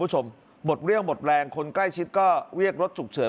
หมดเรี่ยวหมดแรงคนใกล้ชิดก็เรียกรถฉุกเฉิน